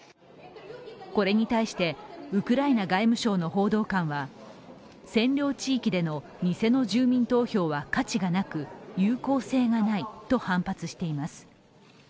これに対してウクライナ外務省の報道官は、占領地域での偽の住民投票は価値がなく有効性がないと反発しています。